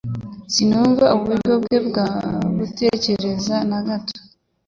Sinumva uburyo bwe bwo gutekereza na gato.